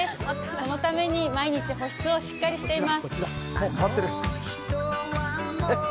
そのために毎日保湿をしています。